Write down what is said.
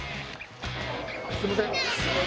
すいません。